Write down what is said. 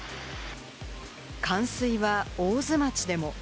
冠水は大津町でも。